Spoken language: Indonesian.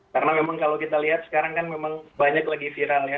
karena memang kalau kita lihat sekarang kan memang banyak lagi viral ya